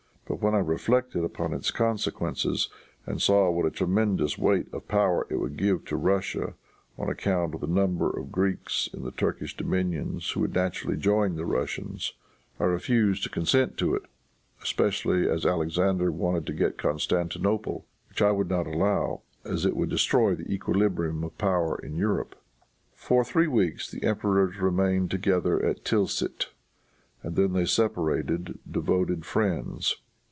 But when I reflected upon its consequences and saw what a tremendous weight of power it would give to Russia, on account of the number of Greeks in the Turkish dominions who would naturally join the Russians, I refused to consent to it, especially as Alexander wanted to get Constantinople, which I would not allow, as it would destroy the equilibrium of power in Europe." For three weeks the emperors remained together at Tilsit, and then they separated devoted friends.